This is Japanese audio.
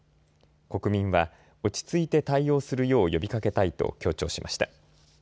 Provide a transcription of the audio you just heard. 国民は落ち着いて対応するよう呼びかけたいと強調しました。